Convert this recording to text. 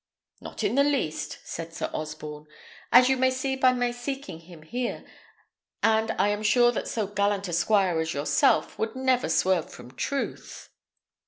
"Not in the least," said Sir Osborne, "as you may see by my seeking him here; and I am sure that so gallant a squire as yourself would never swerve from truth."